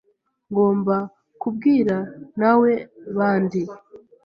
Ngomba kubwira nawebandi.